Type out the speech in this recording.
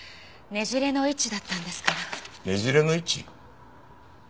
ねじれの位置？